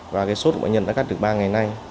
và cái sốt của bệnh nhân đã cắt được ba ngày nay